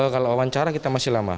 kalau wawancara kita masih lama